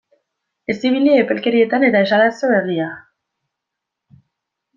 Ez ibili epelkerietan eta esadazu egia!